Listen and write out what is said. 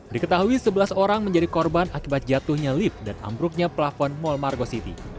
diketahui sebelas orang menjadi korban akibat jatuhnya lift dan ambruknya plafon mall margo city